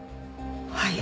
はい。